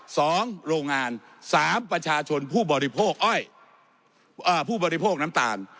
โรงงานสามประชาชนผู้บริโภคอ้อยอ่าผู้บริโภคน้ำตาล